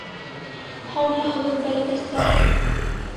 — Һаумыһығыҙ, бәләкәстәр!